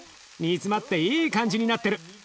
煮詰まっていい感じになってる。